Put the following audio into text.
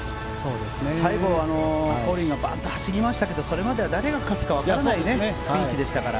最後はコリンがバッと走りましたがそれまでは誰が勝つか分からない雰囲気でしたから。